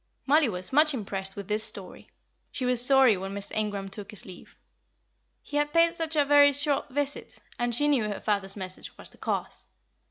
Mollie was much impressed with this story; she was sorry when Mr. Ingram took his leave. He had paid such a very short visit, and she knew her father's message was the cause.